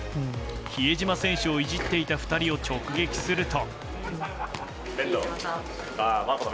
比江島選手をいじっていた２人を直撃すると。